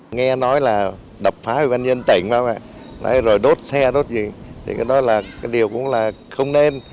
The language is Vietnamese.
nghe nói là đập phá bệnh nhân tỉnh rồi đốt xe đốt gì thì cái đó là điều cũng là không nên